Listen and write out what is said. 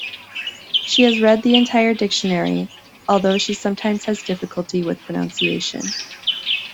She has read the entire dictionary, although she sometimes has difficulty with pronunciation.